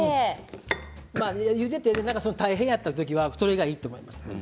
ゆでて大変やった時はそれがいいと思います。